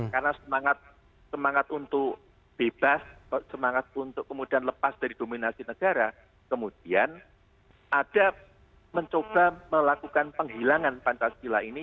karena semangat untuk bebas semangat untuk kemudian lepas dari dominasi negara kemudian ada mencoba melakukan penghilangan pancasila ini